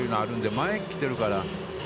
前来てるから。